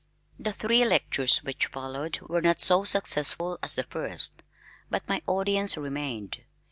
The three lectures which followed were not so successful as the first, but my audience remained.